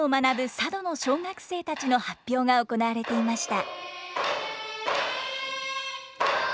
佐渡の小学生たちの発表が行われていました。